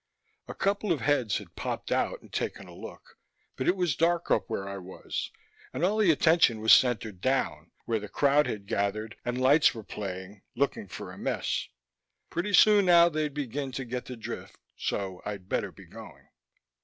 A couple of heads had popped out and taken a look, but it was dark up where I was and all the attention was centered down where the crowd had gathered and lights were playing, looking for a mess. Pretty soon now they'd begin to get the drift so I'd better be going.